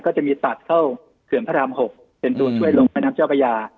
ก็จะมีตัดเข้าเขื่อนพระราม๖เป็นตัวช่วยลงแม่น้ำเจ้าพระยา